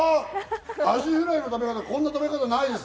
アジフライの食べ方、こんな食べ方ないです！